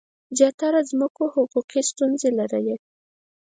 زیاتره ځمکو حقوقي ستونزې لرلې.